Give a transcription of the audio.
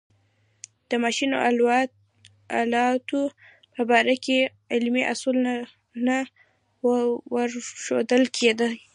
د ماشین آلاتو په باره کې علمي اصول نه ورښودل کېدل.